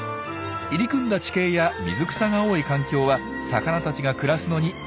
入り組んだ地形や水草が多い環境は魚たちが暮らすのに最適です。